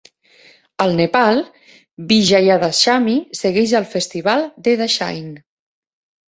Al Nepal, Vijayadashami segueix al festival de Dashain.